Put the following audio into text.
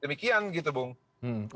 dari foto yang kemudian di penglihatkan